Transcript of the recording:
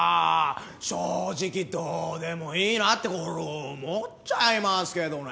正直どうでもいいなって俺思っちゃいますけどね。